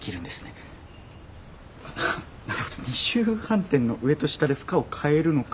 なるほど二重反転の上と下で負荷を変えるのか。